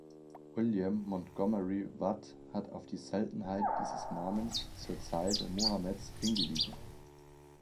William Montgomery Watt hat auf die Seltenheit dieses Namens zur Zeit Mohammeds hingewiesen.